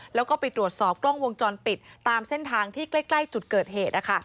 แล้วก็ไปตรวจสอบกล้องวงจรปิดตามเส้นทางที่ใกล้จุดเกิดเหตุ